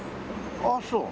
ああそう。